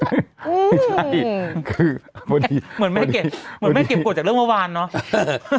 อืมไม่ใช่คือเหมือนไม่ได้เก็บเหมือนไม่ได้เก็บกรดจากเรื่องเมื่อวานเนอะ